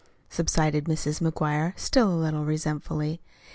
subsided Mrs. McGuire, still a little resentfully.